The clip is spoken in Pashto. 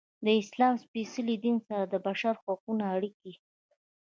د اسلام سپیڅلي دین سره د بشر د حقونو اړیکې.